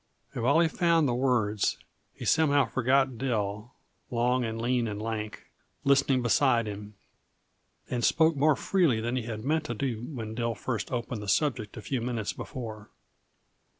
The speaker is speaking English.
And while he found the words, he somehow forgot Dill, long and lean and lank, listening beside him, and spoke more freely than he had meant to do when Dill first opened the subject a few minutes before.